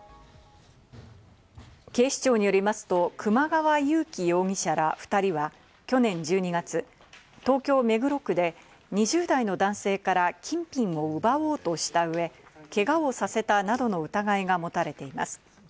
警視庁によりますと、熊川勇己容疑者ら２人は去年１２月、東京・目黒区で２０代の男性から金品を奪おうとしたうえ、けがをさせたなどの疑いが持たれています。